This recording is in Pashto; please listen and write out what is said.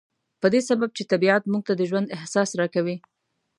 په دې سبب چې طبيعت موږ ته د ژوند احساس را کوي.